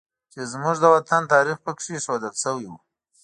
چې زموږ د وطن تاریخ پکې ښودل شوی و